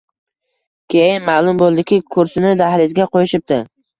Keyin ma`lum bo`ldiki, kursini dahlizga qo`yishibdi